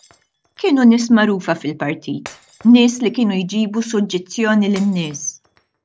Kienu nies magħrufa fil-partit, nies li kienu jġibu suġġizzjoni lin-nies.